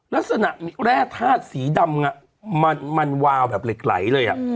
ลักษณะแร่ธาตุสีดำมันวาวแบบเหล็กไหลเลย